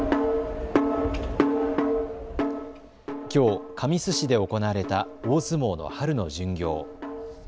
きょう神栖市で行われた大相撲の春の巡業。